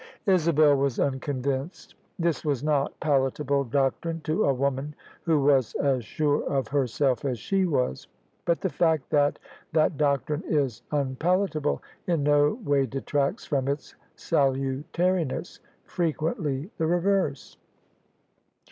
Isabel was unconvinced: this was not palatable doctrine to a woman who was as sure of herself as she was. But the fact that that doctrine is unpalatable in no way detracts from its salutariness — frequently the reverse.